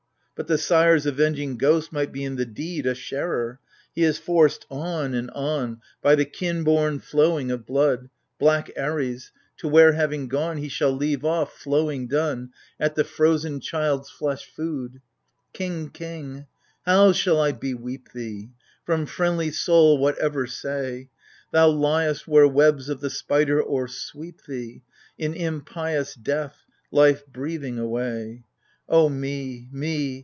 But the sire's avenging ghost might be in the deed a sharer. He is forced on and on K 2 D33 AGAMEMNON. By the kin born flowing of blood, — Black Ares : to where, having gone. He shall leave off, flowing done. At the frozen child's flesh food. King, king, how shall I beweep thee ! From friendly soul what ever say ? Thou liest where webs of the spider o'ersweep thee, In impious death, life breathing away. Oh, me — me